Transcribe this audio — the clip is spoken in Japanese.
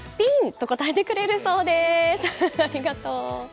と答えてくれるそうです。